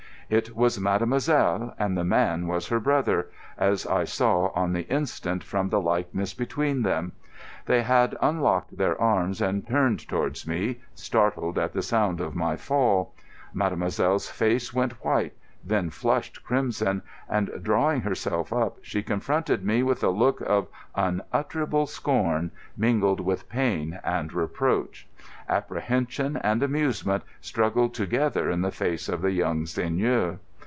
It was mademoiselle, and the man was her brother, as I saw on the instant from the likeness between them. They had unlocked their arms and turned towards me, startled at the sound of my fall. Mademoiselle's face went white, then flushed crimson, and, drawing herself up, she confronted me with a look of unutterable scorn, mingled with pain and reproach. Apprehension and amusement struggled together in the face of the young seigneur.